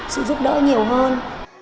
sự giúp đỡ nhiều hơn